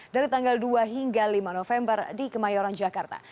dari tanggal dua hingga lima november di kemayoran jakarta